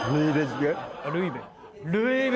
ルイベ。